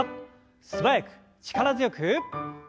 素早く力強く。